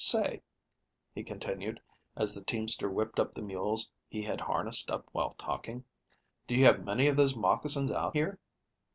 Say," he continued, as the teamster whipped up the mules he had harnessed up while talking, "do you have many of those moccasins out here?"